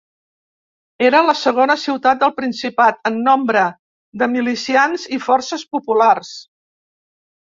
Era la segona ciutat del Principat en nombre de milicians i forces populars.